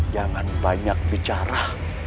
jangan banyak bicara